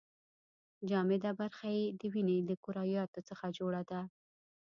جامده برخه یې د وینې د کرویاتو څخه جوړه ده.